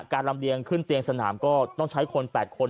ลำเลียงขึ้นเตียงสนามก็ต้องใช้คน๘คน